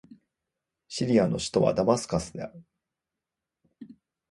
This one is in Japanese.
シリアの首都はダマスカスである